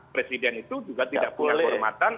presiden itu juga tidak punya kehormatan